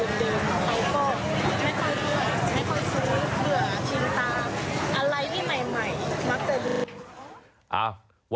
เราก็ไม่ค่อยลืมไม่ค่อยซื้อเผื่อทิ้งตามอะไรที่ใหม่ใหม่มักจะลืม